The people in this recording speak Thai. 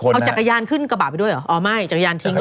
เอาจักรยานขึ้นกระบะไปด้วยเหรออ๋อไม่จักรยานทิ้งด้วย